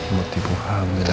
mau tipu hamil